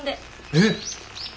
えっ！